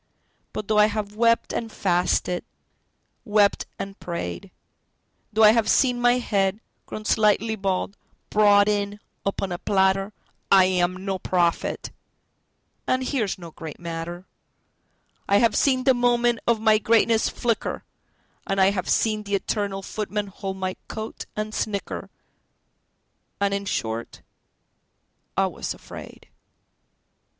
But though I have wept and fasted, wept and prayed, Though I have seen my head (grown slightly bald) brought in upon a platter,I am no prophet—and here's no great matter;I have seen the moment of my greatness flicker, And I have seen the eternal Footman hold my coat, and snicker, And in short, I was afraid.